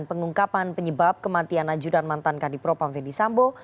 pengungkapan penyebab kematian naju dan mantan kadipro pamfedi sambo